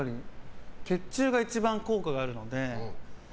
血中が一番効果があるので。